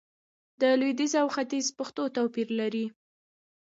د لويديځ او ختيځ پښتو توپير لري